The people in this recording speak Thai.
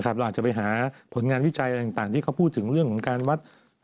เราอาจจะไปหาผลงานวิจัยอะไรต่างที่เขาพูดถึงเรื่องของการวัด